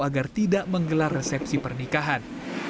agar tidak menggelar resepsi pernikahan